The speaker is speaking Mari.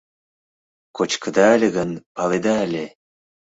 Кочкыда ыле гын, паледа ыле...